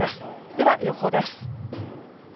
では予報です。